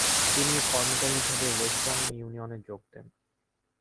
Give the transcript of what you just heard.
তিনি কর্মচারী হিসেবে ওয়েস্টার্ন ইউনিয়নে যোগ দেন।